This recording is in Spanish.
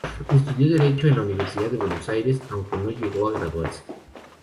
Estudió derecho en la Universidad de Buenos Aires, aunque no llegó a graduarse.